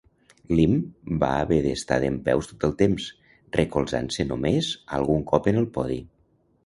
Lim va haver d'estar dempeus tot el temps, recolzant-se només algun cop en el podi.